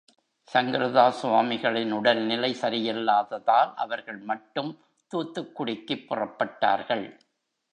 சங்கரதாஸ் சுவாமிகளின் உடல்நிலை சரியில்லாததால் அவர்கள் மட்டும் தூத்துக்குடிக்குப் புறப்பட்டார்கள்.